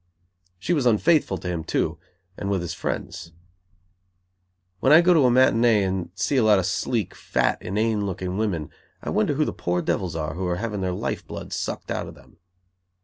She was unfaithful to him, too, and with his friends. When I go to a matinée and see a lot of sleek, fat, inane looking women, I wonder who the poor devils are who are having their life blood sucked out of them.